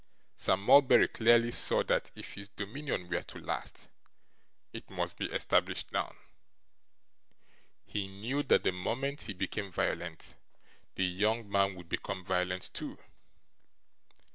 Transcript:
Sir Mulberry clearly saw that if his dominion were to last, it must be established now. He knew that the moment he became violent, the young man would become violent too.